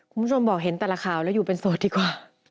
คุณผู้ชมบอกเห็นแต่ละข่าวแล้วอยู่เป็นโสดดีกว่า